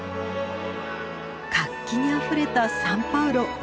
活気にあふれたサンパウロ。